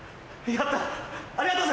やった！